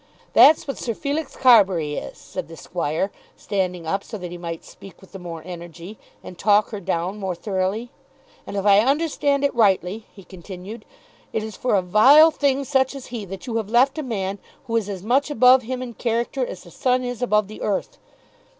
"That's what Sir Felix Carbury is," said the Squire, standing up so that he might speak with the more energy, and talk her down more thoroughly. "And if I understand it rightly," he continued, "it is for a vile thing such as he, that you have left a man who is as much above him in character, as the sun is above the earth.